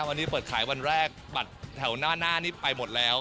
วันนี้เปิดขายวันแรกบัตรแถวหน้านี่ไปหมดแล้ว